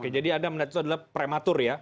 oke jadi anda melihat itu adalah prematur ya